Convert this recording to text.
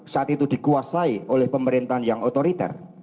saat itu dikuasai oleh pemerintahan yang otoriter